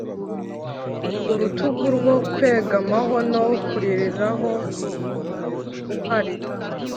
urutugu rwo kwegamaho no kuririraho uhari,